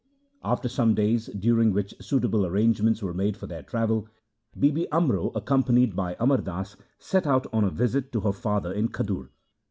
After some days, during which suitable arrange ments were made for their travel, Bibi Amro accom panied by Amar Das set out on a visit to her father in Khadur.